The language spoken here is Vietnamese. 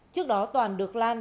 trước đó toàn được lan